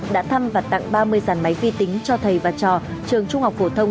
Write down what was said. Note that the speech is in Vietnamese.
đã thăm và tặng ba mươi giàn máy vi tính cho thầy và trò trường trung học phổ thông